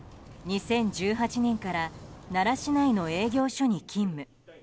２０１８年から奈良市内の営業所に勤務。